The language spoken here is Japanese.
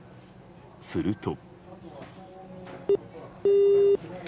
すると。